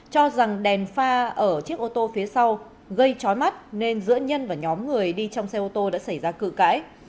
cho rằng đèn pha ở chiếc ô tô phía sau gây trói mắt nên giữa nhân và nhóm người đi trong xe ô tô đã xảy ra cự cãi